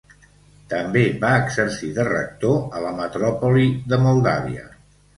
També va exercir de rector a la metròpoli de Moldavia.